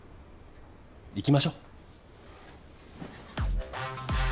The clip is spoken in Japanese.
行きましょう。